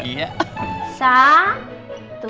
satu tiga dua satu